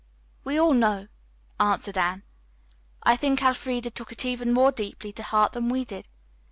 "We all know," answered Anne. "I think Elfreda took it even more deeply to heart than we did.